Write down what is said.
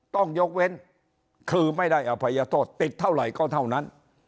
ต้องยกเว้นคือไม่ได้อภัยโทษติดเท่าไหร่ก็เท่านั้น